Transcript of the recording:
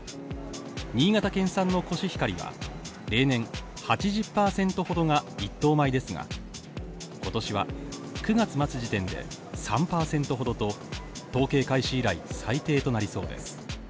新潟県産のコシヒカリは例年８０％ほどが１等米ですが今年は９月末時点で３％ほどと統計開始以来、最低となりそうです。